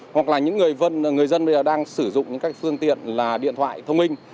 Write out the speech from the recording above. hoặc là những người dân đang sử dụng những phương tiện điện thoại thông minh